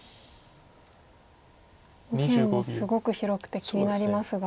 右辺もすごく広くて気になりますが。